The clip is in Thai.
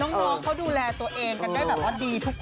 น้องเขาดูแลตัวเองกันได้แบบว่าดีทุกคน